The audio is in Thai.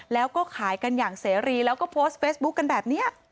แล้วก็ขายกันอย่างเสรีแล้วก็โพสต์เฟซบุ๊คกันแบบนี้